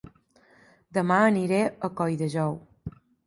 Dema aniré a Colldejou